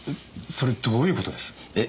それどういう事です？え？